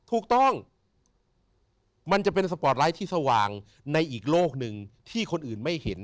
ถูกต้องมันจะเป็นสปอร์ตไลท์ที่สว่างในอีกโลกหนึ่งที่คนอื่นไม่เห็น